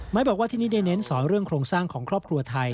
บอกว่าที่นี่ได้เน้นสอนเรื่องโครงสร้างของครอบครัวไทย